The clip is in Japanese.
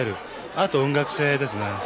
あと音楽性ですね。